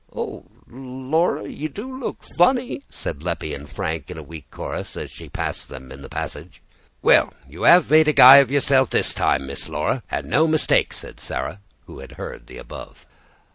"Oh, Laura, you do look funny!" said Leppie and Frank in weak chorus, as she passed them in the passage. "Well, you 'ave made a guy of yourself this time, Miss Laura, and no mistake!" said Sarah, who had heard the above.